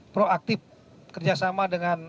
proaktif kerjasama dengan